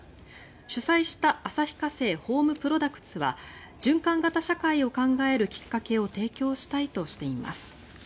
主催した旭化成ホームプロダクツは循環型社会を考えるきっかけを提供したいとしています。